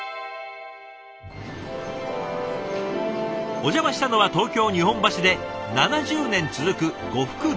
お邪魔したのは東京・日本橋で７０年続く呉服問屋。